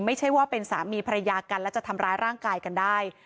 ไม่ใช่ว่าเป็นสามีภรรยากันและจะทำร้ายร่างกายกันได้